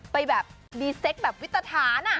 ไปแบบดีเซ็กต์แบบวิตถานะ